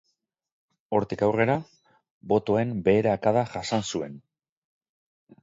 Hortik aurrera, botoen beherakada jasan zuen.